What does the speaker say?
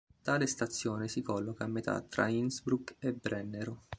Tale stazione si colloca a metà tra Innsbruck e Brennero.